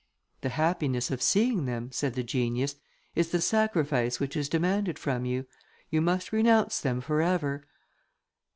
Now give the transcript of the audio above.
"The happiness of seeing them," said the genius, "is the sacrifice which is demanded from you. You must renounce them for ever."